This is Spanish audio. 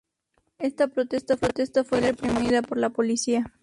Esta protesta fue reprimida por la policía.